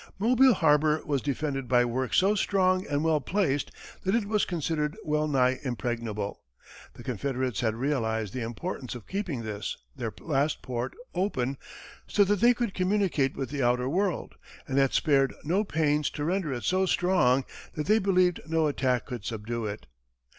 Mobile harbor was defended by works so strong and well placed that it was considered well nigh impregnable. The Confederates had realized the importance of keeping this, their last port, open, so that they could communicate with the outer world, and had spared no pains to render it so strong that they believed no attack could subdue it.